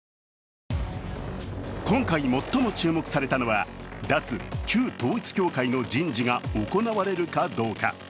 今回最も注目されたのは脱旧統一教会の人事が行われるかどうか。